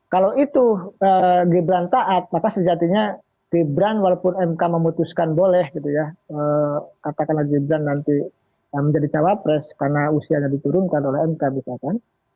kalau itu gibran taat maka sejatinya gibran walaupun mk memutuskan boleh gitu ya katakanlah gibran nanti menjadi cawapres karena usianya diturunkan oleh mk misalkan